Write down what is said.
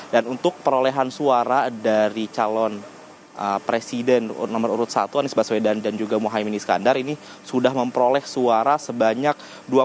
dan untuk perolehan suara dari calon presiden nomor urut satu anies baswedan dan juga mohamad niskan dar ini sudah memperoleh suara sebanyak dua puluh satu ratus tujuh puluh dua empat ratus sembilan puluh empat